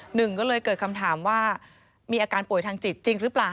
หนึ่งก็เลยเกิดคำถามว่ามีอาการป่วยทางจิตจริงหรือเปล่า